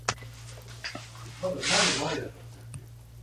East Lake does not have a known outlet and is higher than Paulina Lake.